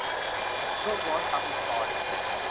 โลกร้อนซ้ำซ้อน